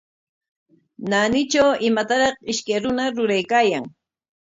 Naanitraw imataraq ishkay runa ruraykaayan.